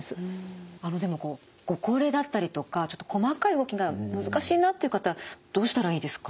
でもご高齢だったりとかちょっと細かい動きが難しいなって方どうしたらいいですか？